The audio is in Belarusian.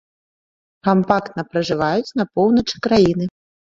Кампактна пражываюць на поўначы краіны.